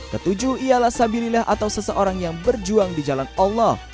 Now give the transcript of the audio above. ketujuh ialah sabilillah atau seseorang yang berjuang di jalan allah